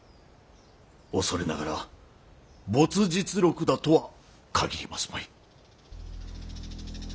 恐れながら「没日録」だとは限りますまい。